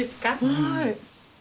はい。